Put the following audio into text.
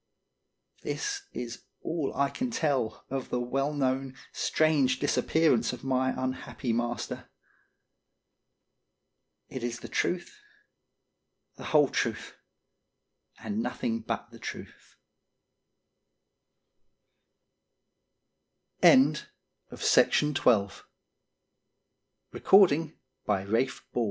This is all I can tell of the well known strange disappearance of my unhappy master. It is the truth, the whole truth and nothing but the truth "THE SECOND CARD WINS." "THE SECON